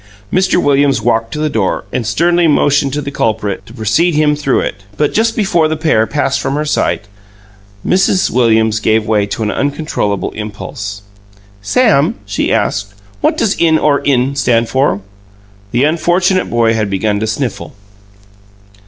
Mr. Williams walked to the door, and sternly motioned to the culprit to precede him through it. But just before the pair passed from her sight, Mrs. Williams gave way to an uncontrollable impulse. "Sam," she asked, "what does 'In Or In' stand for?" The unfortunate boy had begun to sniffle.